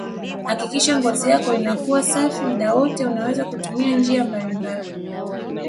Hakikisha ngozi yako inakuwa safi muda wote unaweza kutumia njia mbalimbali